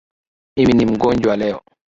Mimi ni mgonjwa leo